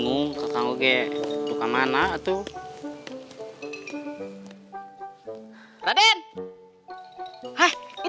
bagaimana kecewa machator jl twnj awet